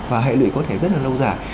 và hệ lụy có thể rất là lâu dài